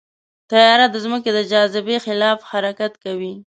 طیاره د ځمکې د جاذبې خلاف حرکت کوي.